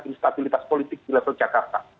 instabilitas politik di level jakarta